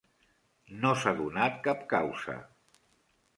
No s'ha donat cap causa.